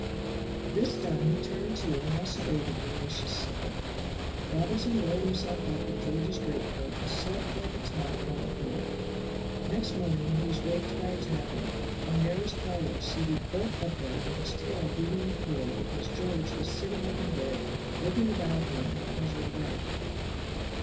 This done he turned to and also ate a voracious supper. Robinson rolled himself up in George's great coat and slept like a top on the floor. Next morning he was waked by a tapping, and there was Carlo seated bolt upright with his tail beating the floor because George was sitting up in the bed looking about him in a puzzled way.